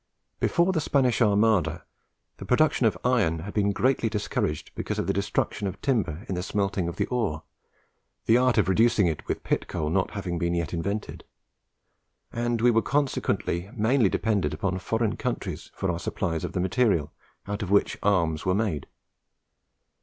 Before the Spanish Armada, the production of iron had been greatly discouraged because of the destruction of timber in the smelting of the ore the art of reducing it with pit coal not having yet been invented; and we were consequently mainly dependent upon foreign countries for our supplies of the material out of which arms were made.